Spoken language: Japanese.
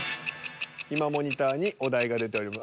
今モニターにお題が出ております。